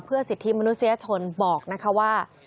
เพื่อสิทธิ์มนุษยชนบอกนะคะว่า